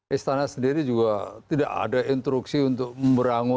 istana sendiri juga tidak ada instruksi untuk memberangu